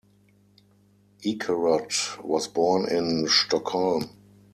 Ekerot was born in Stockholm.